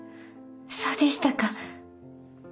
そうでしたか。